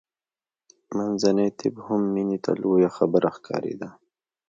منځنی طب هم مینې ته لویه خبره ښکارېده